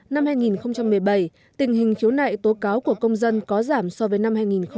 năm hai nghìn một mươi bảy tình hình khiếu nại tố cáo của công dân có giảm so với năm hai nghìn một mươi bảy